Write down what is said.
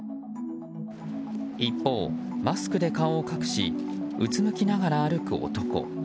一方、マスクで顔を隠しうつむきながら歩く男。